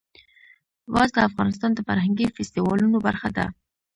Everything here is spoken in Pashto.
ګاز د افغانستان د فرهنګي فستیوالونو برخه ده.